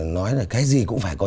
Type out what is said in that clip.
nói là cái gì cũng phải có